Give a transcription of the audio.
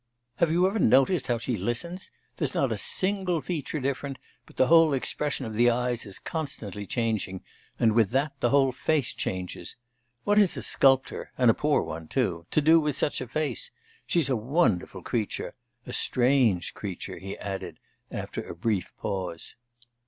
Have you ever noticed how she listens? There's not a single feature different, but the whole expression of the eyes is constantly changing, and with that the whole face changes. What is a sculptor and a poor one too to do with such a face? She's a wonderful creature a strange creature,' he added after a brief pause.